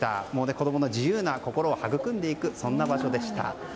子供の自由な心を育んでいくそんな場所でした。